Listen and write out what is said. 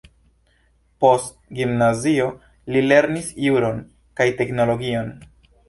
Post gimnazio li lernis juron kaj teologion.